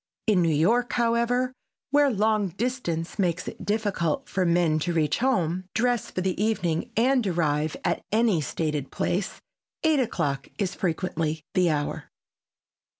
In New York, however, where long distance makes it difficult for men to reach home, dress for the evening and arrive at any stated place, eight o'clock is frequently the hour.